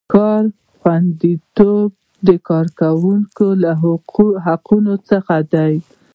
کاري خوندیتوب د کارکوونکي له حقونو څخه دی.